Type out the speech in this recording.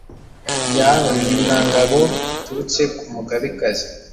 ya Runihangabo biturutse ku mugabekazi